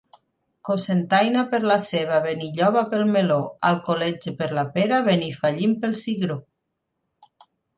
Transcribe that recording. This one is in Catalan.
Cocentaina per la ceba, Benilloba pel meló, Alcoletge per la pera, Benifallim pel cigró.